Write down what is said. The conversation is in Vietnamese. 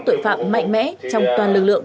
tội phạm mạnh mẽ trong toàn lực lượng